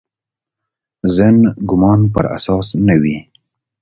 ظن ګومان پر اساس نه وي.